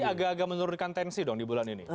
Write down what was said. jadi agak agak menurunkan tensi dong di bulan ini